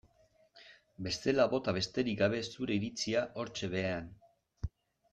Bestela bota besterik gabe zure iritzia hortxe behean.